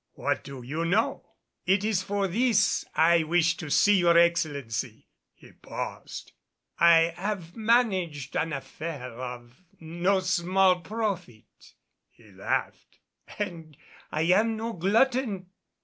But what do you know?" "It is for this I wished to see your Excellency." He paused. "I have managed an affair of no small profit," he laughed, "and I am no glutton."